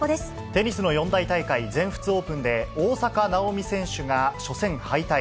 テニスの四大大会、全仏オープンで、大坂なおみ選手が初戦敗退。